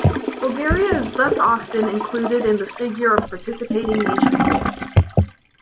Bulgaria is thus often included in the figure of participating nations.